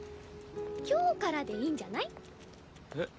今日からでいいんじゃない？えっ？